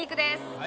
はい